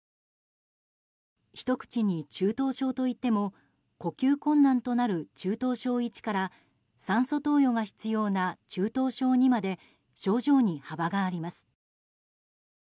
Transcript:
ひと口に中等症といっても呼吸困難となる中等症１から酸素投与が必要な中等症２まで症状に幅があります。